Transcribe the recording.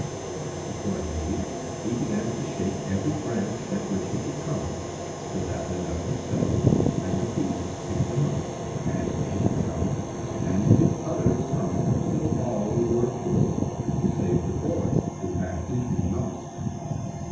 Accordingly he began to shake every branch at which he could come, so that the nuts fell and the thieves picked them up and ate some and hid other some till all were full, save the Boy who had eaten naught.